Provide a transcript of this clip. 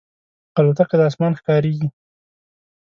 الوتکه د اسمان ښکاریږي.